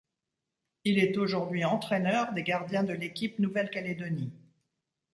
Il est aujourd'hui entraineur des gardiens de l'équipe de Nouvelle-Calédonie.